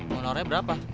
mau nawarnya berapa